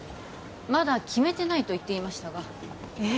まだ決めてないと言っていましたがえっ